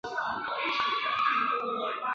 他曾是英国皇家检控署的检察长。